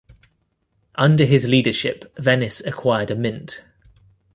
Under his leadership, Venice acquired a mint.